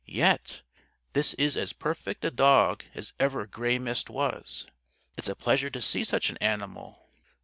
Yet, this is as perfect a dog as ever Grey Mist was. It's a pleasure to see such an animal.